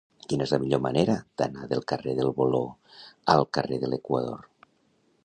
Quina és la millor manera d'anar del carrer del Voló al carrer de l'Equador?